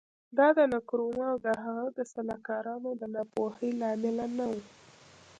دا د نکرومه او د هغه د سلاکارانو د ناپوهۍ له امله نه و.